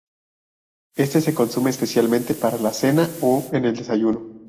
Este se consume especialmente para la cena o en el desayuno.